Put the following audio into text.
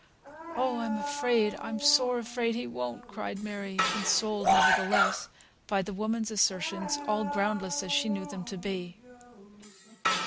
"Oh! I'm afraid! I'm sore afraid he won't," cried Mary, consoled, nevertheless, by the woman's assertions, all groundless as she knew them to be.